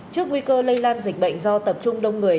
trước nguy cơ lây lan dịch bệnh do tập trung đông người